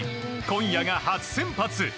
今夜が初先発。